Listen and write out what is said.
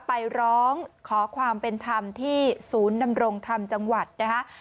ไปร้องขอความเป็นธรรมที่ศูนย์ดำรงธรรมจังหวัดนะคะ